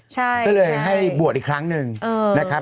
ก็เลยให้บวชอีกครั้งหนึ่งนะครับ